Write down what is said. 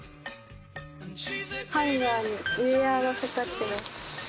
ハンガーにウエアが掛かってます。